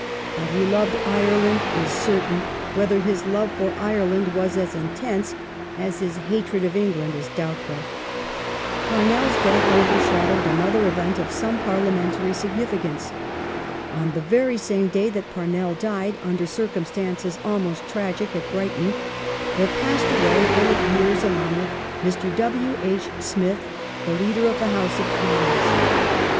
That he loved Ireland is cei tain ; whether his love for Ireland was as intense as his hatred of England is doubtful. Interrup Parnell's death overshadowed another event of some parliament tion of the ary significance. On the very same day that Pamell died, underj regime circumstances almost tragic, at Brighton, there passed away, full yeai s and honour, Mr. W. H. Smith, the Leader of the House oi Commons.